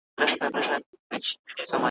ډک له دوستانو ورک مي اغیار وي ,